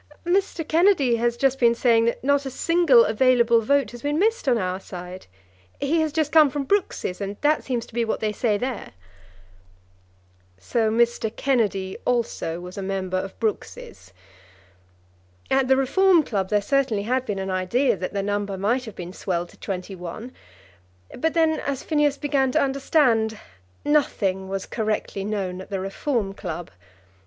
"Mr. Kennedy has just been saying that not a single available vote has been missed on our side. He has just come from Brooks's, and that seems to be what they say there." So Mr. Kennedy also was a member of Brooks's! At the Reform Club there certainly had been an idea that the number might have been swelled to twenty one; but then, as Phineas began to understand, nothing was correctly known at the Reform Club.